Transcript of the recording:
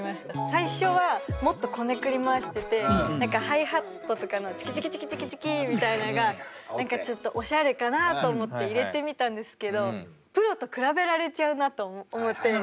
最初はもっとこねくり回してて何かハイハットとかのチキチキチキチキチキみたいなのがちょっとオシャレかなと思って入れてみたんですけどプロと比べられちゃうなと思って。